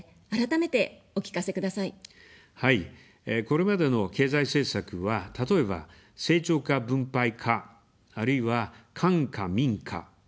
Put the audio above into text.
これまでの経済政策は、例えば「成長か分配か」、あるいは「官か民か」